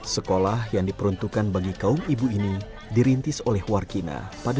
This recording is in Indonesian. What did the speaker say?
sekolah yang diperuntukkan bagi kaum ibu ini dirintis oleh warkina pada dua ribu dua puluh